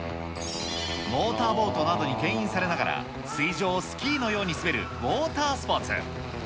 モーターボートなどにけん引されながら、水上をスキーのように滑るウォータースポーツ。